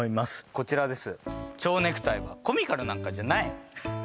こちらです